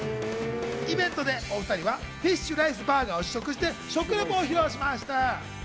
イベントでお２人はフィッシュライスバーガーを試食して、食レポを披露しました。